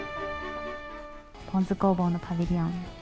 ぽん酢工房のパビリオンは？